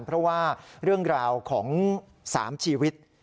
เพราะว่าเรื่องราวของ๓ชีวิต